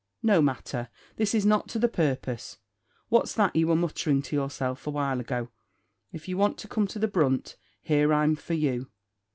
"No matter; this is not to the purpose. What's that you were muttering to yourself awhile ago? If you want to come to the brunt, here I'm for you."